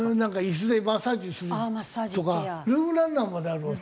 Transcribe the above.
椅子でマッサージするのとかルームランナーまである。